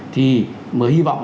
thì mới hi vọng là